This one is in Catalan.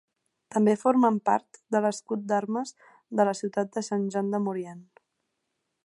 També formen part de l'escut d'armes de la ciutat de Saint-Jean-de-Maurienne.